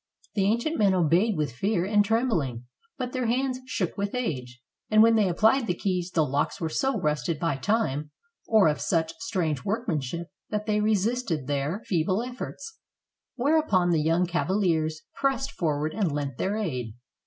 The ancient men obeyed with fear and trembhng, but their hands shook with age, and when they applied the keys the locks were so rusted by time, or of such strange workmanship, that they resisted their 436 KING RODERICK AND THE MAGIC TOWER feeble efforts, whereupon the young cavaliers pressed forward and lent their aid.